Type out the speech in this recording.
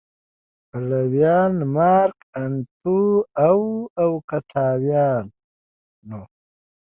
پلویان مارک انتو او اوکتاویان و